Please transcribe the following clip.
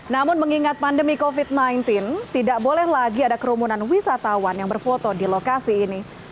namun mengingat pandemi covid sembilan belas tidak boleh lagi ada kerumunan wisatawan yang berfoto di lokasi ini